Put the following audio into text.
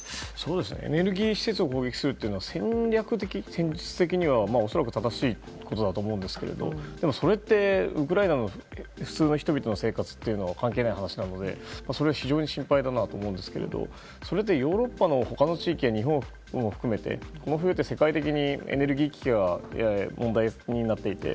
エネルギー施設を攻撃するというのは戦略的・戦術的には恐らく正しいことだと思うんですがでも、それってウクライナの普通の人々の生活は関係ない話なのでそれは非常に心配だなと思うんですがそれと、ヨーロッパの他の地域や日本も含めてですがこの冬って世界的にエネルギー危機が問題になっていて。